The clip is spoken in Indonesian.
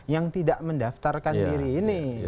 yang tidak mendaftarkan diri ini